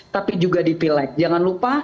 tapi juga di pileg jangan lupa